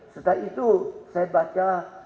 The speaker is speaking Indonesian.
setelah itu saya baca